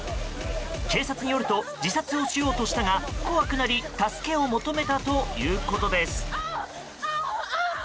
警察によると自殺をしようとしたが怖くなり助けを求めたということです。